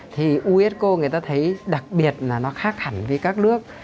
thì unesco người ta thấy đặc biệt là nó khác hẳn với các nước